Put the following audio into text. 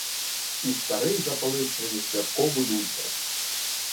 І старий запалив свою святкову люльку.